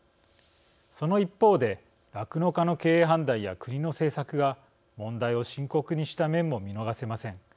その一方で酪農家の経営判断や国の政策が問題を深刻にした面も見逃せません。